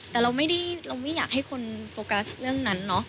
แต่เราไม่ได้เราไม่อยากให้คนโฟกัสเรื่องนั้นเนาะ